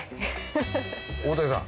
大竹さん。